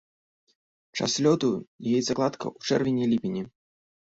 Час лёту і яйцакладка ў чэрвені-ліпені.